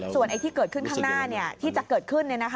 ส่วนที่เกิดขึ้นข้างหน้าที่จะเกิดขึ้น